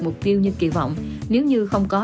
mục tiêu như kỳ vọng nếu như không có